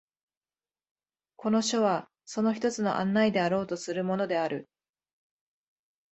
この書はその一つの案内であろうとするものである。